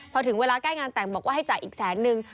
พอถึงเวลาใกล้งานแต่งบอกว่าให้จ่ายอีกแสนนึง